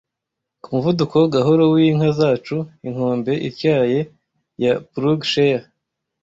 ku muvuduko gahoro w'inka zacu inkombe ityaye ya ploughshare